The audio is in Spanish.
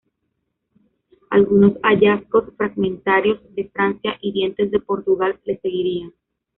Algunos hallazgos fragmentarios de Francia y dientes de Portugal le seguirían.